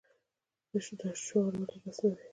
شعار ولې بس نه دی؟